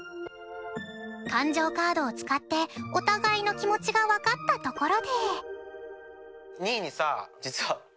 感情カードを使ってお互いの気持ちが分かったところで。